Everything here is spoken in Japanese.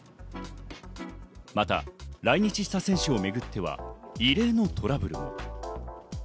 また来日した選手をめぐっては異例のトラブルも。